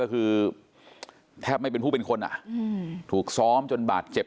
คือสิ่งที่เราติดตามคือสิ่งที่เราติดตาม